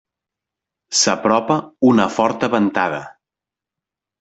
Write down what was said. S'apropa una forta ventada.